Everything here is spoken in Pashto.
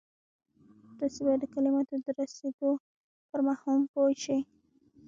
تاسې بايد د کلماتو د رسېدو پر مفهوم پوه شئ.